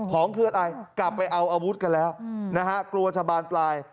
ของคืออะไรกลับไปเอาอาวุธกันแล้วนะฮะกลัวจะบานปลาย